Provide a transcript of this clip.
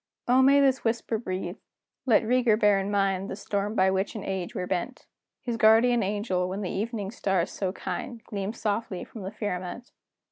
Oh, may this whisper breathe (let Rieger bear in mind The storm by which in age we're bent!) His guardian angel, when the evening's star so kind Gleams softly from the firmament!